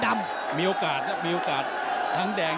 ตอนนี้มันถึง๓